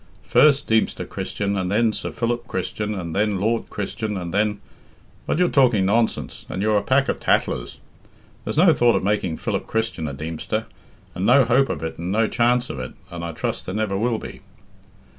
First Deemster Christian, and then Sir Philip Christian, and then Lord Christian, and then But you're talking nonsense, and you're a pack of tattlers. There's no thought of making Philip Christian a Deemster, and no hope of it and no chance of it, and I trust there never will be."